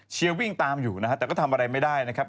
วิ่งตามอยู่นะฮะแต่ก็ทำอะไรไม่ได้นะครับ